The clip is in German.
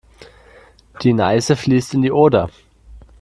Die Neiße fließt in die Oder.